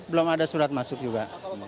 belum ada surat masuk juga